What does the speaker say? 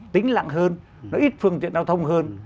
tính lặng hơn nó ít phương tiện giao thông hơn